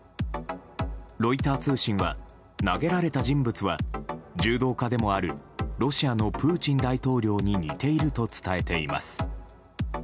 ロイター通信は投げられた人物は柔道家でもあるロシアのプーチン大統領に似ていると伝えています。